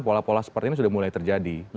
pola pola seperti ini sudah mulai terjadi